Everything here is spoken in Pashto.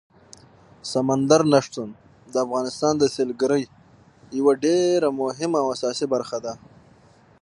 سمندر نه شتون د افغانستان د سیلګرۍ یوه ډېره مهمه او اساسي برخه ده.